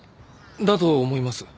だと思います。